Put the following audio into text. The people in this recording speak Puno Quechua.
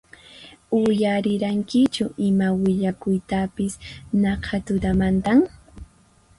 Uyarirankichu ima willakuytapis naqha tutamantan?